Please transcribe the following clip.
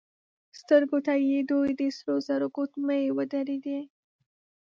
سترګو ته يې دوې د سرو زرو ګوتمۍ ودرېدې.